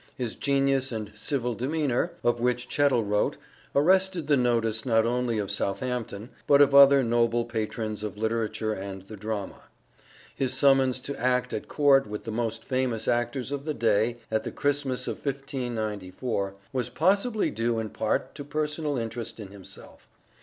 His genius and ' civil demeanour ' of which Chettle wrote arrested the notice not only of Southampton, but of other noble patrons of literature and the drama. His summons to act at Court with the most famous actors of the day at the Christmas of 1594 was possibly due in part to personal interest in himself.